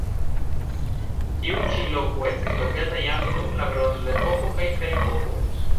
Tiu ĉi loko estis loĝata jam dum la bronzepoko kaj ferepoko.